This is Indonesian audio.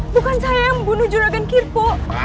bukan saya yang membunuh juragan kirpo